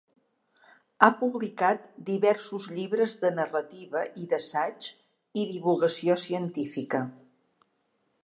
Ha publicat diversos llibres de narrativa i d'assaig i divulgació científica.